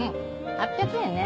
８００円ね。